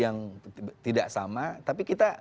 yang tidak sama tapi kita